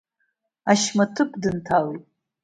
Ашьма ҭыԥ дынҭалеит.